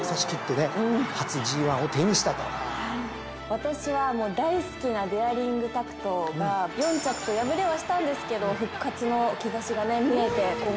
私は大好きなデアリングタクトが４着と敗れはしたんですけど復活の兆しがね見えて今後が楽しみになりました。